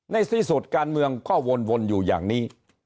ในที่สุดการเมืองก็วนอยู่อย่างนี้